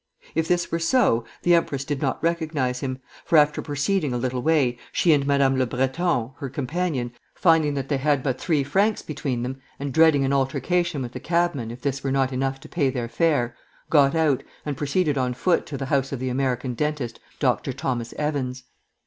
If this were so, the empress did not recognize him, for after proceeding a little way, she and Madame le Breton, her companion, finding they had but three francs between them, and dreading an altercation with the cabman if this were not enough to pay their fare, got out, and proceeded on foot to the house of the American dentist, Dr. Thomas Evans.